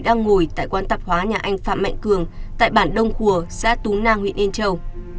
đang ngồi tại quán tạp hóa nhà anh phạm mạnh cường tại bản đông khùa xã tú nang huyện yên châu